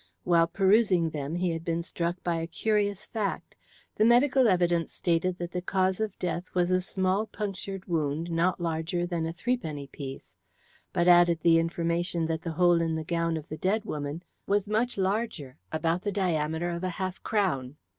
While perusing them he had been struck by a curious fact. The medical evidence stated that the cause of death was a small punctured wound not larger than a threepenny piece, but added the information that the hole in the gown of the dead woman was much larger, about the diameter of a half crown.